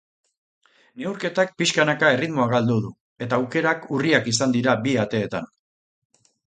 Neurketak pixkanaka erritmoa galdu du eta aukerak urriak izan dira bi ateetan.